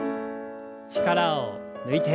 力を抜いて。